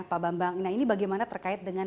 pak bambang nah ini bagaimana terkait dengan